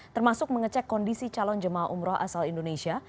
termasuk mengecek kondisi calon jemaah umroh asal indonesia